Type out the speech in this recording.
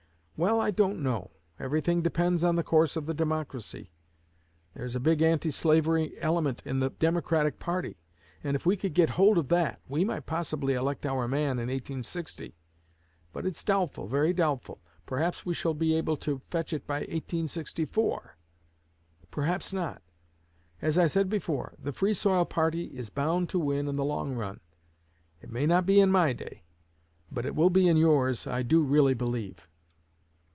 'Well, I don't know. Everything depends on the course of the Democracy. There's a big anti slavery element in the Democratic party, and if we could get hold of that we might possibly elect our man in 1860. But it's doubtful, very doubtful. Perhaps we shall be able to fetch it by 1864; perhaps not. As I said before, the Free soil party is bound to win in the long run. It may not be in my day; but it will be in yours, I do really believe.'"